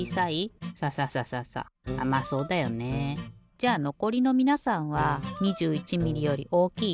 じゃのこりのみなさんは２１ミリより大きい？